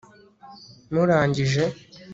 murangije